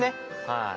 はい。